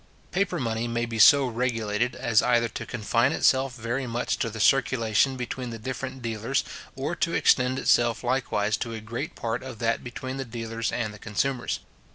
Paper money may be so regulated as either to confine itself very much to the circulation between the different dealers, or to extend itself likewise to a great part of that between the dealers and the consumers.